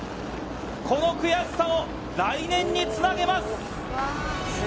この悔しさを来年につなげます。